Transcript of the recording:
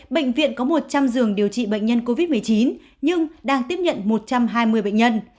bệnh viện có một trăm linh giường điều trị bệnh nhân covid một mươi chín nhưng đang tiếp nhận một trăm hai mươi bệnh nhân